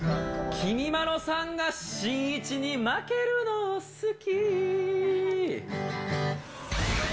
きみまろさんがしんいちに負けるの好き。